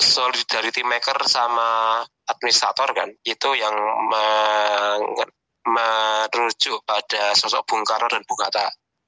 solidarity maker sama administrator kan itu yang merujuk pada sosok bung karno dan bung hatta